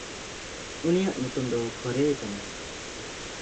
ᱩᱱᱤᱭᱟᱜ ᱧᱩᱛᱩᱢ ᱫᱚ ᱠᱷᱚᱨᱮᱭ ᱠᱟᱱᱟ᱾